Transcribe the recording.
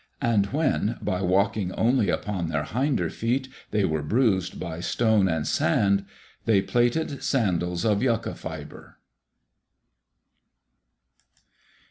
And when by walking only upon their hinder feet they were bruised by stone and sand, they plaited sandals of yucca fibre.